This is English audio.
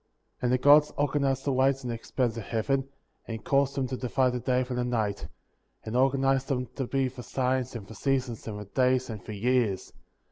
'^ 14. And the Gods organized the lights in the expanse of the heaven, and caused them to divide the day from the night; and organized them to be for signs and for seasons, and for days and for years ; 15.